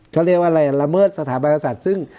เขาเรียกว่าอะไรละเมิดสถาปสรรคศาสตร์ซึ่ง